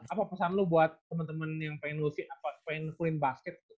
apa pesan lo buat temen temen yang pengen clean basket gitu